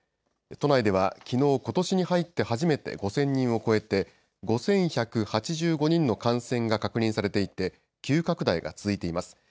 都内では、きのうことしに入って初めて５０００人を超えて５１８５人の感染が確認されていて急拡大が続いています。